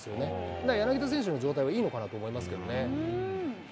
だから柳田選手の状態はいいのかなと思いますけどね。